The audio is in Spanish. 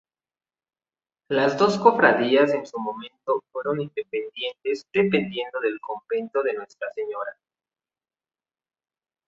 Las dos cofradías en su momento fueron independientes dependiendo del Convento de Nuestra Sra.